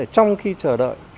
trong khi chờ đợi